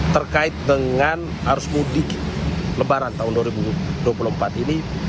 terkait dengan arus mudik lebaran tahun dua ribu dua puluh empat ini